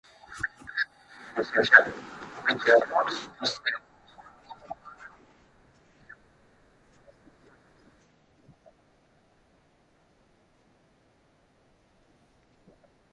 Old Church Slavonic, for example, had no closed syllables at all.